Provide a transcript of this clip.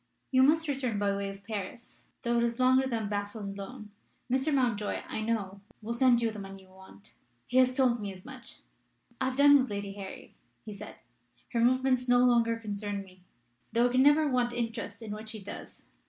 "You must return by way of Paris, though it is longer than by Basle and Laon. Mr. Mountjoy, I know, will send you the money you want. He has told me as much. 'I have done with Lady Harry,' he said. 'Her movements no longer concern me, though I can never want interest in what she does.